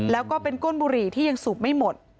แล้วก็เป็นก้นบุหรี่ที่ยังสูบไม่หมด